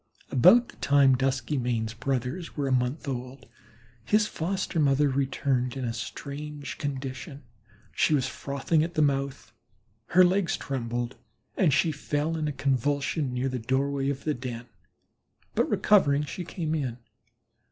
About the time Duskymane's brothers were a month old his foster mother returned in a strange condition. She was frothing at the mouth, her legs trembled, and she fell in a convulsion near the doorway of the den, but recovering, she came in.